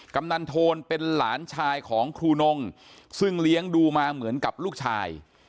กำนันโทนเป็นหลานชายของครูนงซึ่งเลี้ยงดูมาเหมือนกับลูกชาย